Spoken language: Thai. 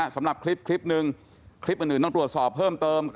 สำหรับคลิปคลิปหนึ่งคลิปอื่นต้องตรวจสอบเพิ่มเติม